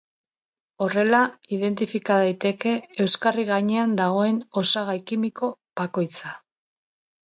Horrela identifika daiteke euskarri gainean dagoen osagai kimiko bakoitza.